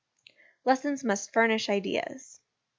Lessons must furnish Ideas.